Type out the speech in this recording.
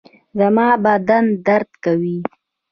زما بدن درد کوي